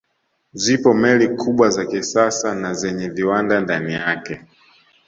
Zipo meli kubwa za kisasa na zenye viwanda ndani yake